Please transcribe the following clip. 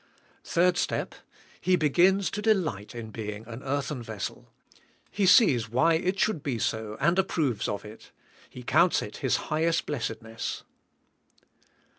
3rd step. He begins to delight in being an earth en vessel. He sees why it should be so, and ap proves of it. He counts it his highest blessedness.